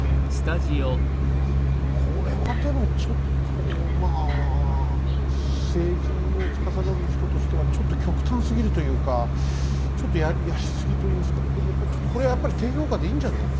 これはでもちょっとまあ政治をつかさどる人としてはちょっと極端すぎるというかちょっとやりすぎといいますかこれやっぱりちょっとこれはやっぱり低評価でいいんじゃないですか？